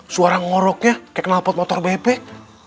suara ngoroknya kayak kenal pot motor bebek